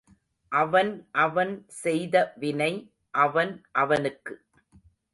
அவன் அவன் செய்த வினை அவன் அவனுக்கு.